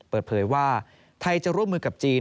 เปิดเผยว่าไทยจะร่วมมือกับจีน